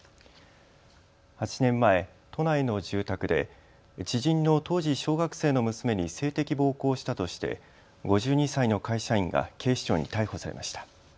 ８年前、都内の住宅で知人の当時、小学生の娘に性的暴行をしたとして５２歳の会社員が警視庁に逮捕されました。